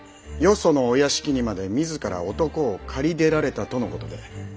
そのお屋敷にまで自ら男を狩り出られたとのことで。